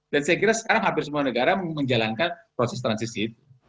saya kira sekarang hampir semua negara menjalankan proses transisi itu